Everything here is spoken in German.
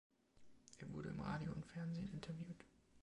Er wurde im Radio und Fernsehen interviewt.